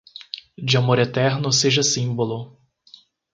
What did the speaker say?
De amor eterno seja símbolo